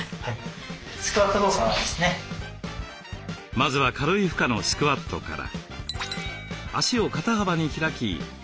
まずは軽い負荷のスクワットから。